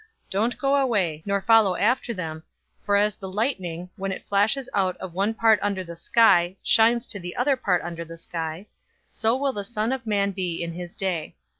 Don't go away, nor follow after them, 017:024 for as the lightning, when it flashes out of the one part under the sky, shines to the other part under the sky; so will the Son of Man be in his day.